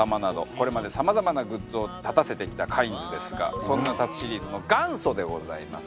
これまでさまざまなグッズを立たせてきたカインズですがそんな立つシリーズの元祖でございます。